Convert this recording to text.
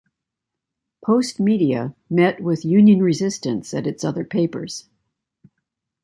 Postmedia met with union-resistance at its other papers.